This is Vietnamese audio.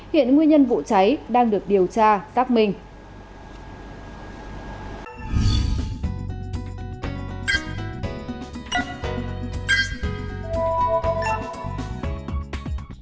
hiện nguyên nhân vụ cháy đang được điều tra xác minh